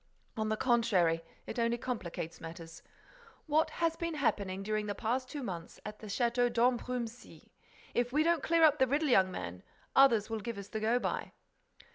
On the contrary, it only complicates matters. What has been happening during the past two months at the Château d'Ambrumésy? If we don't clear up the riddle, young man, others will give us the go by."